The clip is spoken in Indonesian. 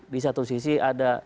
di satu sisi ada